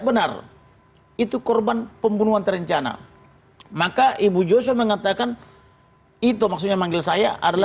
benar itu korban pembunuhan terencana maka ibu joshua mengatakan itu maksudnya manggil saya adalah